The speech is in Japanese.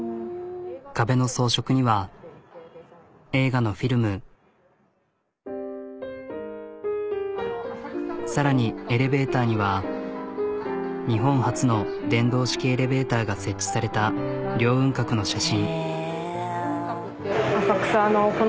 壁の装飾にはさらにエレベーターには日本初の電動式エレベーターが設置された凌雲閣の写真。